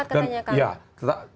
dan ya tetapi